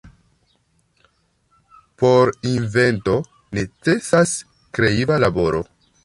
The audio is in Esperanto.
Por invento necesas kreiva laboro.